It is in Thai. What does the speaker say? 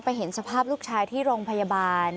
เห็นสภาพลูกชายที่โรงพยาบาล